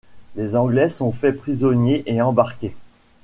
Les Anglais sont faits prisonniers et embarqués.